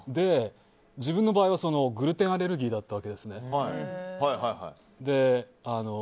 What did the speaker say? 自分の場合はグルテンアレルギーだったわけですね。